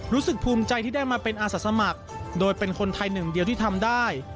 รู้สึกภูมิใจที่ได้มาเป็นอาสาสมัครโดยเป็นคนไทยหนึ่งเดียวที่ทำได้